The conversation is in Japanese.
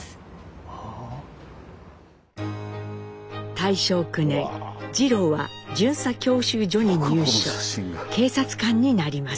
大正９年次郎は巡査教習所に入所警察官になります。